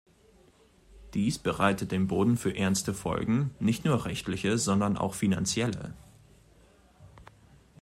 Dies bereitet den Boden für ernste Folgen, nicht nur rechtliche, sondern auch finanzielle.